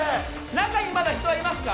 中にまだ人はいますか？